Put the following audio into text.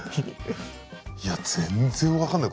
いや全然分かんない。